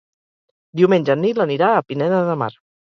Diumenge en Nil anirà a Pineda de Mar.